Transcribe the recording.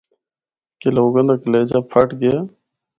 کہ لوگاں دا کلیجہ پھٹ گیا۔